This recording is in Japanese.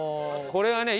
これはね